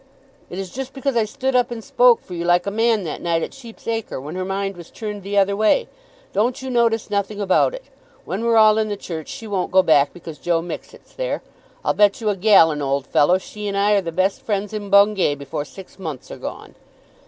It is just because I stood up and spoke for you like a man that night at Sheep's Acre, when her mind was turned the other way. Don't you notice nothing about it. When we're all in the church she won't go back because Joe Mixet's there. I'll bet you a gallon, old fellow, she and I are the best friends in Bungay before six months are gone."